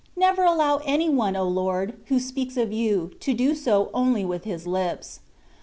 Never allow any one, O Lord ! who speaks of you, to do so only with his Ups.